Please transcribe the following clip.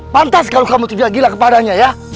pantas kalau kamu tidak gila kepadanya ya